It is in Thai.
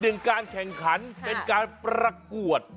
เรื่องการแข่งขันเป็นการประกวด